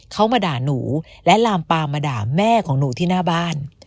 เขามาด่าหนูและลามปามมาด่าแม่ของหนูที่หน้าบ้าน